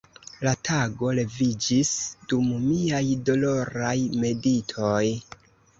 La tago leviĝis dum miaj doloraj meditoj.